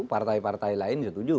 partai partai lain setuju